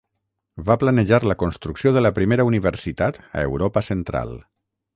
Va planejar la construcció de la primera universitat a Europa central.